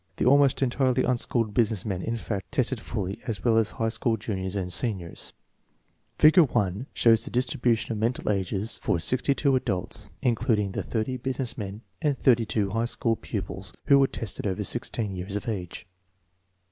The almost entirely unschooled business men, in fact, tested fully as well as high school juniors and seniors. Figure 1 shows the distribution of mental ages for 62 THE STANFORD REVISION adults, including the 30 business men and the S high school pupils who were over 16 years of age.